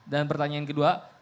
dan pertanyaan kedua